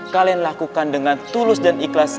kalian lakukan dengan tulus dan ikhlas